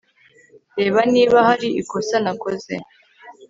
Reba niba hari ikosa nakoze